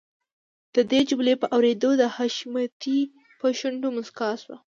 د دې جملې په اورېدلو د حشمتي په شونډو مسکا شوه.